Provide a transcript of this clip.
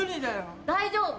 大丈夫。